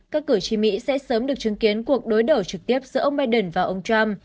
các cử tri mỹ sẽ sớm được chứng kiến cuộc đối đầu trực tiếp giữa ông biden và ông trump